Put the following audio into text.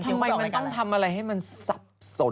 ทำไมมันต้องทำอะไรให้มันสับสน